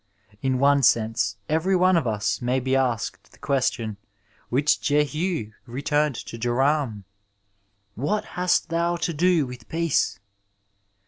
In one sense every one of us may be asked the question which Jehu returned to Joram :What hast thou to do with peace